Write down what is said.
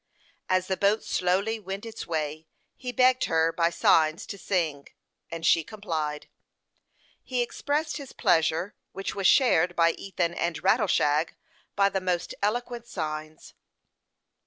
As the boat slowly went its way, he begged her by signs to sing, and she complied. He expressed his pleasure, which was shared by Ethan and Rattleshag, by the most eloquent signs.